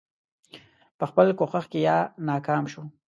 په خپل کوښښ کې یا ناکام شو.